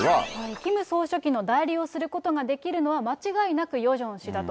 キム総書記の代理をすることができるのは間違いなくヨジョン氏だと。